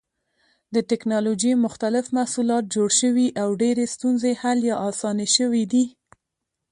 د ټېکنالوجۍ مختلف محصولات جوړ شوي او ډېرې ستونزې حل یا اسانې شوې دي.